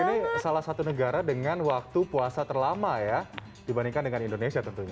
ini salah satu negara dengan waktu puasa terlama ya dibandingkan dengan indonesia tentunya